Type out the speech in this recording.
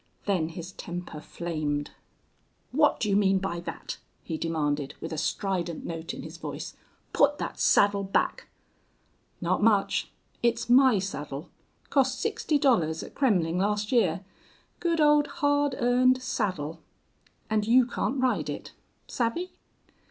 Then his temper flamed. "What do you mean by that?" he demanded, with a strident note in his voice. "Put that saddle back." "Not much. It's my saddle. Cost sixty dollars at Kremmling last year. Good old hard earned saddle!... And you can't ride it. Savvy?"